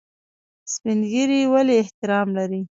سپین ږیری ولې احترام لري؟